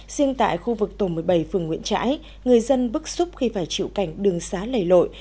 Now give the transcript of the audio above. riêng tại khu vực tổ một mươi bảy phường nguyễn trãi người dân bức xúc khi phải chịu cảnh đường xá lầy lội